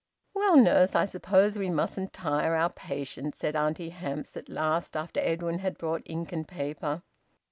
"Well, nurse, I suppose we mustn't tire our patient," said Auntie Hamps at last, after Edwin had brought ink and paper.